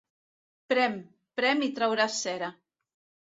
Prem, prem i trauràs cera.